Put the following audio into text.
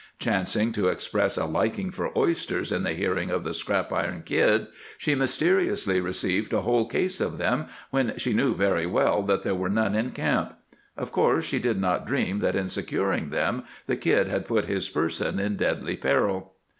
Chancing to express a liking for oysters in the hearing of the Scrap Iron Kid, she mysteriously received a whole case of them when she knew very well that there were none in camp. Of course she did not dream that in securing them the Kid had put his person in deadly peril.